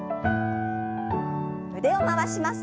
腕を回します。